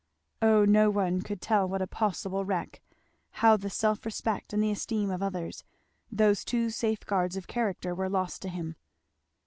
oh no one could tell what a possible wreck, now that self respect and the esteem of others, those two safe guards of character, were lost to him.